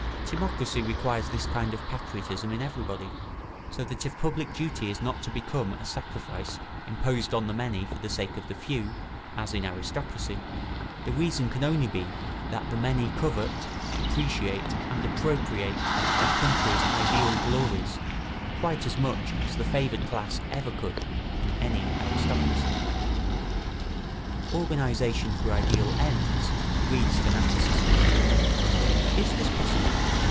Timocracy requires this kind of patriotism in everybody; so that if public duty is not to become a sacrifice imposed on the many for the sake of the few, as in aristocracy, the reason can only be that the many covet, appreciate, and appropriate their country's ideal glories, quite as much as the favoured class ever could in any aristocracy. [Sidenote: Organisation for ideal ends breeds fanaticism.] Is this possible?